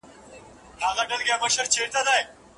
تنگ نظري نه کوم وخت راڅخه وخت اخيستی